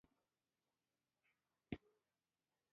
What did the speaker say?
دوی راډیو او تلویزیون بند کړل او بیان ازادي یې واخیسته